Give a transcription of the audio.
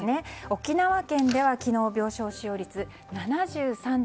沖縄県では昨日病床使用率が７３．７％。